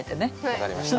分かりました。